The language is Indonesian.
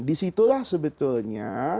di situlah sebetulnya